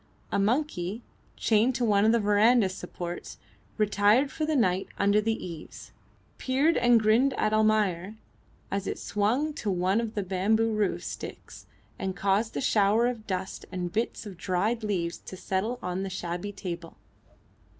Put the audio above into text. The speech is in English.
A monkey, chained to one of the verandah supports retired for the night under the eaves peered and grinned at Almayer, as it swung to one of the bamboo roof sticks and caused a shower of dust and bits of dried leaves to settle on the shabby table.